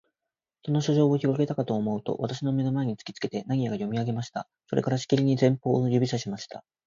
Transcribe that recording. その書状をひろげたかとおもうと、私の眼の前に突きつけて、何やら読み上げました。それから、しきりに前方を指さしました。